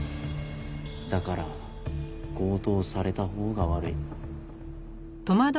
だから強盗されたほうが悪い。